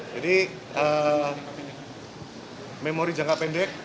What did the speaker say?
jadi memori jangka pendek